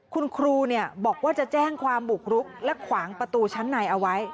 คุณครูบอกว่าจะแจ้งความบุกรุกและขวางประตูชั้นในเอาไว้